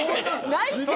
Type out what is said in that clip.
ないって